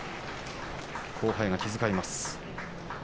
後輩が気遣います。